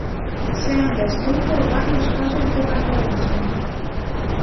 Se han descrito varios casos de canibalismo.